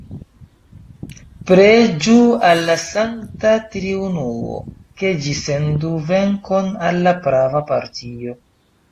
Preĝu al la Sankta Triunuo, ke Ĝi sendu venkon al la prava partio!